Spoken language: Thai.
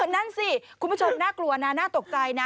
นั่นสิคุณผู้ชมน่ากลัวนะน่าตกใจนะ